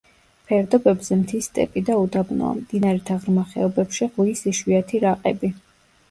ფერდობებზე მთის სტეპი და უდაბნოა, მდინარეთა ღრმა ხეობებში ღვიის იშვიათი რაყები.